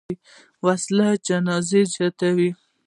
وسله جنازې زیاتوي